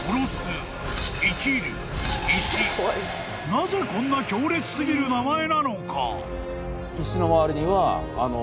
［なぜこんな強烈過ぎる名前なのか？］